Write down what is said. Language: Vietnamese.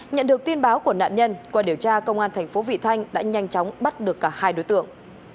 nhận được tin báo của nạn nhân qua điều tra công an thành phố vị thanh đã nhanh chóng bắt được cả hai đối tượng